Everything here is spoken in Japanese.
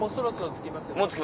着きます